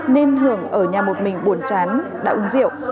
nên hưởng ở nhà một mình buồn chán đã uống rượu